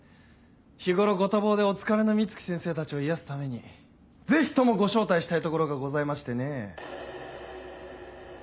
日頃ご多忙でお疲れの美月先生たちを癒やすためにぜひともご招待したい所がございましてね。